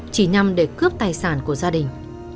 chỉ nhằm để cướp tài sản của gia đình